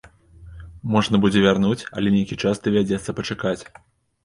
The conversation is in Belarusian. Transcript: Можна будзе вярнуць, але нейкі час давядзецца пачакаць.